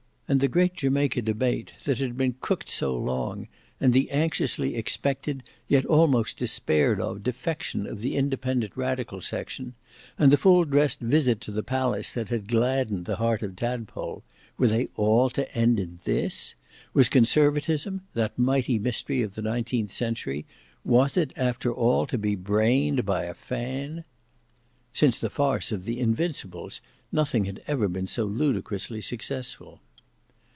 And the great Jamaica debate that had been cooked so long, and the anxiously expected, yet almost despaired of, defection of the independent radical section, and the full dressed visit to the palace that had gladdened the heart of Tadpole—were they all to end in this? Was Conservatism, that mighty mystery of the nineteenth century—was it after all to be brained by a fan! Since the farce of the "Invincibles" nothing had ever been so ludicrously successful.